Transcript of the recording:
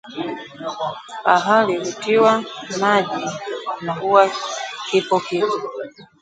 Pahali hutiwa maji na huwa kipo kitu